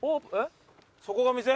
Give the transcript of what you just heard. そこが店？